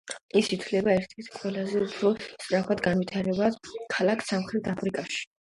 ის ითვლება ერთ-ერთ ყველაზე უფრო სწრაფად განვითარებად ქალაქად სამხრეთ აფრიკაში.